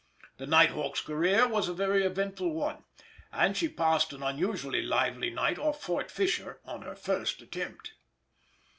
The Night Hawk's career was a very eventful one, and she passed an unusually lively night off Fort Fisher on her first attempt.